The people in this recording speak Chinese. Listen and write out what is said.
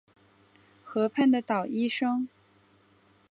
河畔的捣衣声